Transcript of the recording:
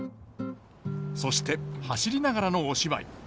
そして走りながらのお芝居。